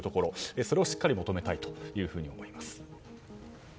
それをしっかり求めたいと思います。